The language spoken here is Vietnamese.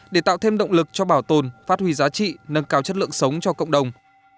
để tạo thêm động lực cho bảo tồn phát huy giá trị nâng cao chất lượng sống cho cộng đồng